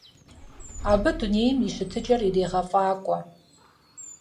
Абы дунейм и щытыкӀэр ирегъэфӀакӀуэ.